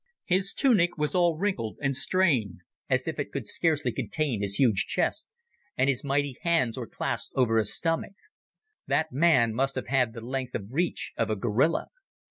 His tunic was all wrinkled and strained as if it could scarcely contain his huge chest, and mighty hands were clasped over his stomach. That man must have had the length of reach of a gorilla.